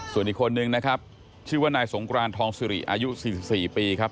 ส่วนอีกคนนึงนะครับชื่อว่านายสงกรานทองสิริอายุ๔๔ปีครับ